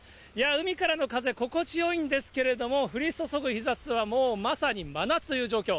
海からの風、心地よいんですけれども、降り注ぐ日ざしはもうまさに真夏という状況。